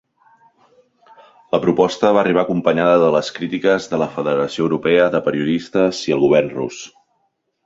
La proposta va arribar acompanyada de les crítiques de la federació europea de periodistes i el govern rus.